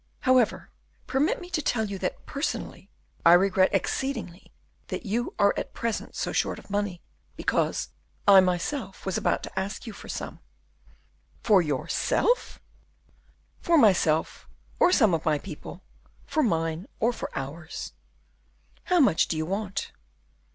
However, permit me to tell you that, personally, I regret exceedingly that you are at present so short of money, because I myself was about to ask you for some." "For yourself?" "For myself, or some of my people, for mine or for ours." "How much do you want?"